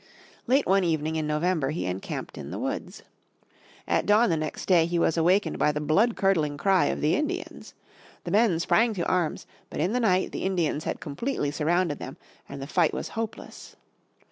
Late one evening in November he encamped in the woods. At dawn the next day he was awakened by the blood curdling cry of the Indians. The men sprang to arms, but in the night the Indians had completely surrounded them, and the fight was hopeless.